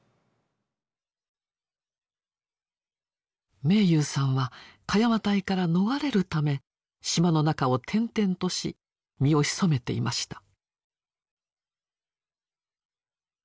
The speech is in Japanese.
逆にあの明勇さんは鹿山隊から逃れるため島の中を転々とし身を潜めていました。